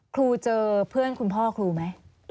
ครูเจอเพื่อนคุณพ่อครูไหม